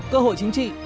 cơ hội chính trị